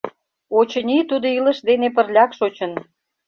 Очыни, тудо илыш дене пырляк шочын.